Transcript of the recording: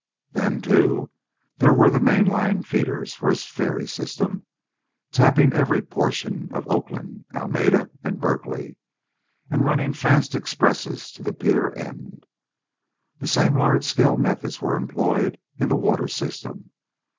Then, too, there were the main line feeders for his ferry system, tapping every portion of Oakland, Alameda, and Berkeley, and running fast expresses to the pier end. The same large scale methods were employed in the water system.